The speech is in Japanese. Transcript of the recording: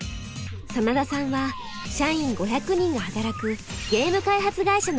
真田さんは社員５００人が働くゲーム開発会社の会長です。